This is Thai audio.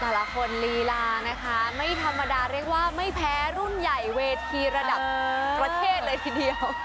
แต่ละคนลีลานะคะไม่ธรรมดาเรียกว่าไม่แพ้รุ่นใหญ่เวทีระดับประเทศเลยทีเดียว